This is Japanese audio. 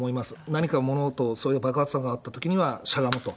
何か物音、それから、爆発音があったときにはしゃがむと。